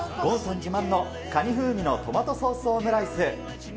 自慢のカニ風味のトマトソースオムライス。